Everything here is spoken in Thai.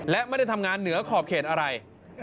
และไม่ได้ทำงานเหนือขอบเขตอะไร